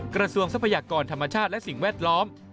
ทรัพยากรธรรมชาติและสิ่งแวดล้อม